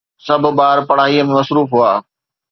سڀ ٻار پڙهائيءَ ۾ مصروف هئا